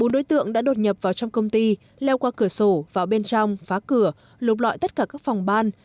bốn đối tượng đã đột nhập vào trong công ty leo qua cửa sổ vào bên trong phá cửa lục lọi tất cả các phòng ban